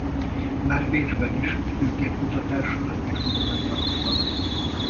Már Bécsben is főként kutatással és tudománnyal foglalkozott.